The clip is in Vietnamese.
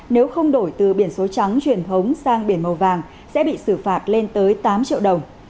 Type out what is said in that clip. nếu không đổi từ biển số trắng truyền thống sang biển màu vàng sẽ bị xử phạt lên tới tám triệu đồng